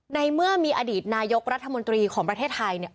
ในเมื่อมีอดีตนายกรัฐมนตรีของประเทศไทยเนี่ย